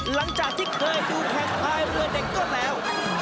หลังจากที่เคยดูแข่งพายเรือเด็กก็แล้ว